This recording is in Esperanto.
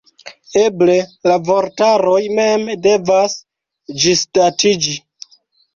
Eble la vortaroj mem devas ĝisdatiĝi.